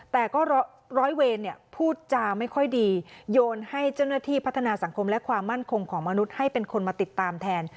แต่ก็ร้อยเวรเนี่ยพูดจาไม่ค่อยดีโยนให้เจ้าหน้าที่พัฒนาสังคมและความมั่นคงของมนุษย์ให้เป็นคนมาติดตามแทน